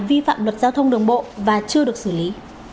vi phạm luật giao thông đường bộ và chưa được xử lý